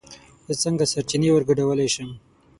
زه څنگه سرچينې ورگډولی شم